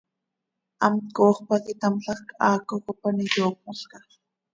Hamt cooxp pac itámlajc, haaco cop an iyoocmolca.